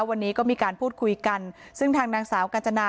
วันนี้ก็มีการพูดคุยกันซึ่งทางนางสาวกาญจนา